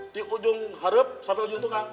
di ujung harep sampai ujung tukang